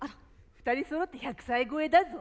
２人そろって１００歳超えだぞ。